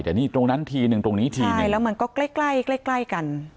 แต่นี่ตรงนั้นทีหนึ่งตรงนี้ทีหนึ่งใช่แล้วมันก็ใกล้ใกล้ใกล้ใกล้กัน